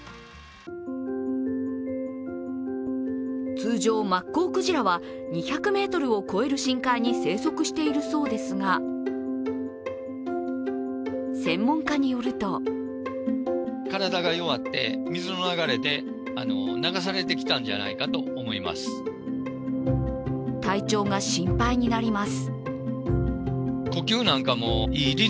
通常、マッコウクジラは２００ｍを超える深海に生息しているそうですが、専門家によると体調が心配になります。